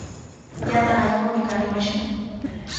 Yana allqumi kanimashqa.